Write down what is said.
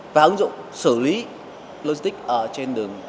và ứng dụng xử lý logistics ở trên đường hàng không